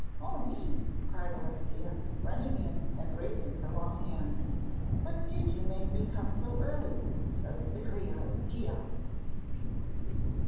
"O me!" cried Alexia, running in and raising her long hands, "what did make you come so early the very idea!"